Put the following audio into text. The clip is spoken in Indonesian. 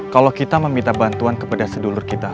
kalau kita meminta bantuan kepada sedulur kita